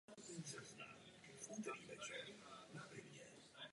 Jejich představitelé postupně uvedli tři různé motivy operace.